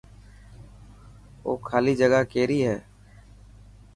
او خالي جگا ڪيري هي.